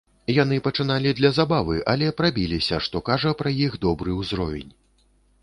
Яны пачыналі для забавы, але прабіліся, што кажа пра іх добры ўзровень.